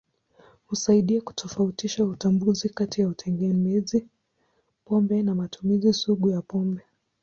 Husaidia kutofautisha utambuzi kati ya utegemezi pombe na matumizi sugu ya pombe.